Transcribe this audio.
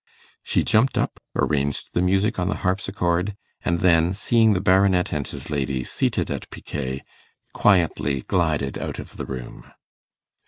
She jumped up, arranged the music on the harpsichord, and then, seeing the Baronet and his lady seated at picquet, quietly glided out of the room.